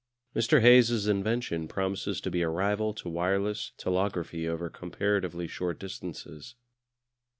Mr. Hayes' invention promises to be a rival to wireless telegraphy over comparatively short distances.